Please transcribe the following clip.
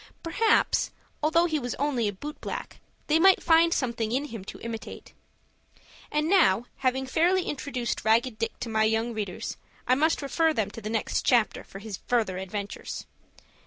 Perhaps, although he was only a boot black, they may find something in him to imitate. And now, having fairly introduced Ragged Dick to my young readers, I must refer them to the next chapter for his further adventures.